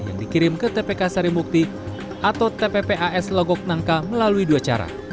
yang dikirim ke tpk sari mukti atau tppa s lagok nangka melalui dua cara